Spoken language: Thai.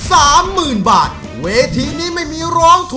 โดยการแข่งขาวของทีมเด็กเสียงดีจำนวนสองทีม